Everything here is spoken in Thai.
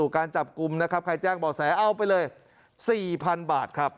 ครับ